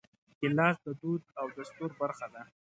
ګیلاس د دود او دستور برخه ده.